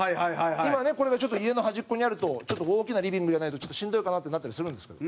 土田：今ね、これが、ちょっと家の端っこにあると大きなリビングじゃないとしんどいかなってなったりするんですけど。